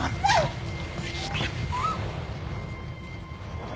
あっ！